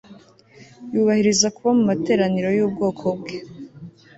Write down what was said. yubahiriza kuba mu materaniro y'ubwoko bwe